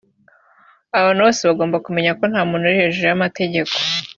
Abantu bose bagomba kumenya ko nta muntu uri hejuru y’amategeko